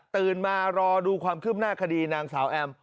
ตื่นมารอดูความขึ้นหน้าคดีนางสาวแอม